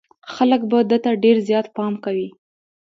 خلک به ده ته ډېر زيات پام کوي.